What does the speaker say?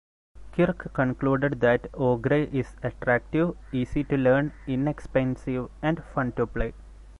Kirk concluded that "Ogre" is attractive, easy to learn, inexpensive, and fun to play.